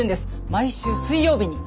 毎週水曜日に！